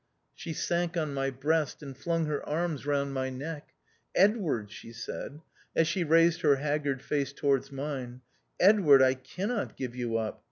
She sank on my breast, and flung her arms round my neck. " Edward," she said, as she raised her haggard face towards mine, " Edward, I cannot give you up.